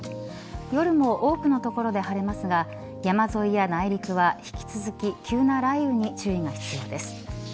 夜も多くの所で晴れますが山沿いや内陸は引き続き急な雷雨に注意が必要です。